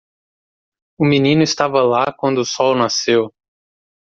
O menino estava lá quando o sol nasceu.